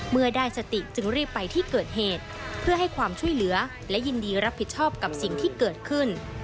เมื่อได้สติจึงรีบไปที่เกิดเหตุเพื่อให้ความช่วยเหลือและยินดีรับผิดชอบกับสิ่งที่เกิดขึ้น